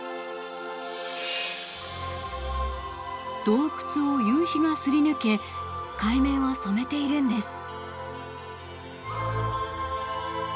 洞窟を夕日がすり抜け海面を染めているんです。